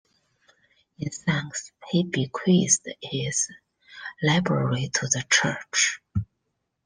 In thanks, he bequeathed his library to the church.